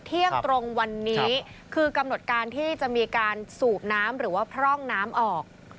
เที่ยงตรงวันนี้คือกำหนดการที่จะมีการสูบน้ำหรือว่าพร่องน้ำออก